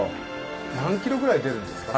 何キロぐらい出るんですか？